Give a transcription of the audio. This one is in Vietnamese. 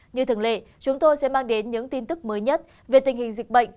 như thường lệ chúng tôi sẽ mang đến những tin tức mới nhất về tình hình dịch bệnh